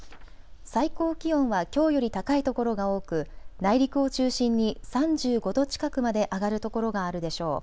最高気温はきょうより高い所が多く内陸を中心に３５度近くまで上がる所があるでしょう。